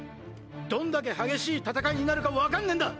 どんだけ激しい戦いになるか分かんねぇんだ！